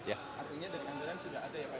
artinya dari anggaran sudah ada ya pak